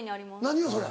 何やそれ。